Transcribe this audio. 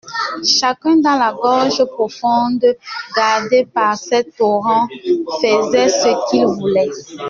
Chacun, dans la gorge profonde, gardé par ses torrents, faisait ce qu'il voulait.